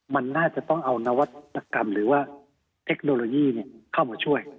มันน่าจะต้องเอานวัตกรรมหรือว่าเทคโนโลยีเข้ามาช่วย